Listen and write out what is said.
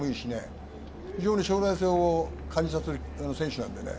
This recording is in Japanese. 非常に将来性を感じさせる選手なんで。